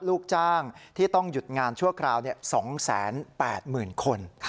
ลูกจ้างที่ต้องหยุดงานชั่วคราว๒๘๐๐๐คน